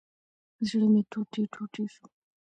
زړه مي ټوټي ټوټي شو